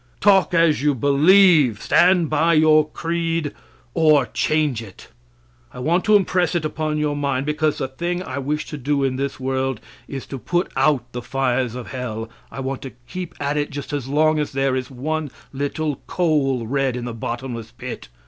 Talk as you believe. Stand by your creed or change it. I want to impress it upon your mind, because the thing I wish to do in this world is to put out the fires of hell I want to keep at it just as long as there is one little coal red in the bottomless pit.